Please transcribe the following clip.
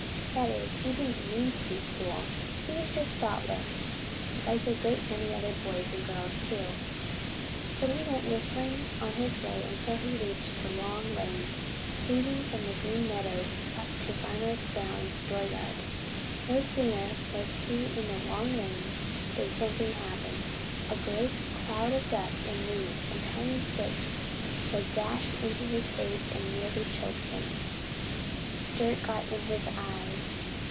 That is, he didn't mean to be cruel. He was just thoughtless, like a great many other boys, and girls too. So he went whistling on his way until he reached the Long Lane leading from the Green Meadows up to Farmer Brown's dooryard. No sooner was he in the Long Lane than something happened. A great cloud of dust and leaves and tiny sticks was dashed in his face and nearly choked him. Dirt got in his eyes.